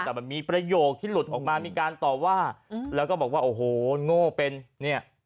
แต่มันมีประโยคที่หลุดออกมามีการต่อว่าแล้วก็บอกว่าโอ้โหโง่เป็นเนี่ย